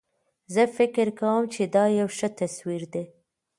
زه فکر کوم چې دا یو ښه تصویر ده